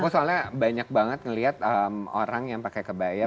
oh soalnya banyak banget ngelihat orang yang pakai kebaya